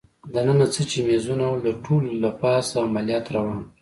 دننه څه چي مېزونه ول، د ټولو له پاسه عملیات روان ول.